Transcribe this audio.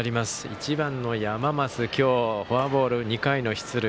１番の山増、今日フォアボール２回の出塁。